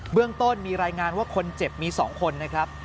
เรื่องต้นมีรายงานว่าคนเจ็บมี๒คนนะครับ